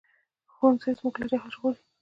ښوونځی موږ له جهل ژغوري